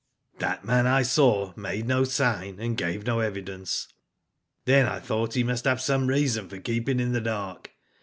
That man I saw made no sign, and gave no evidence. Then I thought he must have some reason for keeping in the dark.